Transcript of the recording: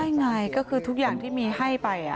ใช่ไงก็คือทุกอย่างที่มีให้ไป